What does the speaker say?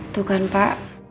tuh kan pak